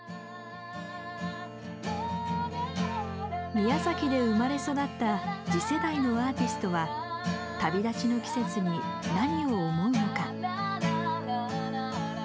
宮崎で生まれ育った次世代のアーティストは旅立ちの季節に何を思うのか。